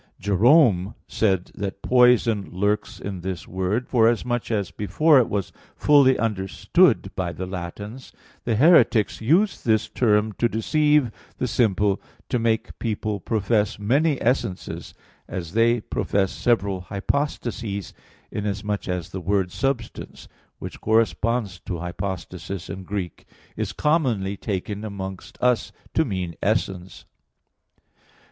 Jerome said that "poison lurks in this word," forasmuch as before it was fully understood by the Latins, the heretics used this term to deceive the simple, to make people profess many essences as they profess several hypostases, inasmuch as the word "substance," which corresponds to hypostasis in Greek, is commonly taken amongst us to mean essence.